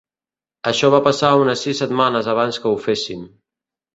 Això va passar unes sis setmanes abans que ho féssim.